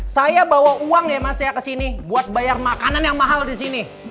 saya bawa uang ya mas saya kesini buat bayar makanan yang mahal disini